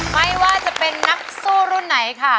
ไม่ว่าจะเป็นนักสู้รุ่นไหนค่ะ